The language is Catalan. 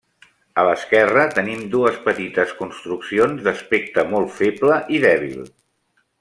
A l'esquerra tenim dues petites construccions d'aspecte molt feble i dèbil.